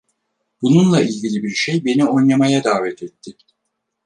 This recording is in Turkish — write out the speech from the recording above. Bununla ilgili bir şey beni oynamaya davet etti.